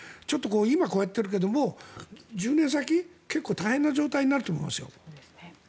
今、こうやってるけどもう１０年先、結構大変な状態になると思いますよ。